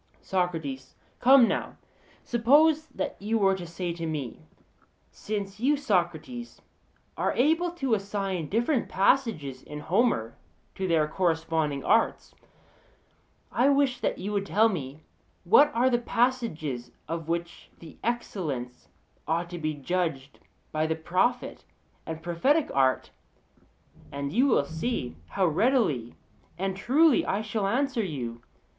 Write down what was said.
SOCRATES: Come now, suppose that you were to say to me: 'Since you, Socrates, are able to assign different passages in Homer to their corresponding arts, I wish that you would tell me what are the passages of which the excellence ought to be judged by the prophet and prophetic art'; and you will see how readily and truly I shall answer you.